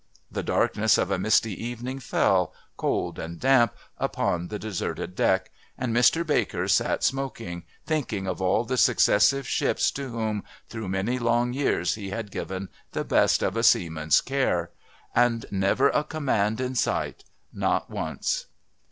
The darkness of a misty evening fell, cold and damp, upon the deserted deck; and Mr Baker sat smoking, thinking of all the successive ships to whom through many long years he had given the best of a seaman's care. And never a command in sight. Not once!"